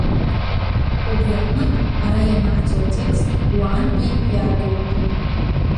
Убри аҟнытә ара ианаҳҵо атекст уаантәи иаагоуп.